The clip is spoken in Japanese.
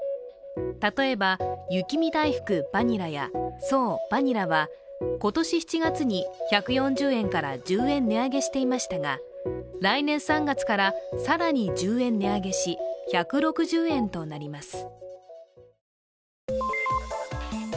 例えば、雪見だいふくバニラや爽バニラは今年７月に１４０円から１０円値上げしていましたが来年３月から更に１０円値上げし１６０円となります。